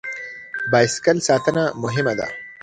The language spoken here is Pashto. بایسکل ساتنه مهمه ده.